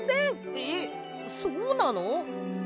えっそうなの？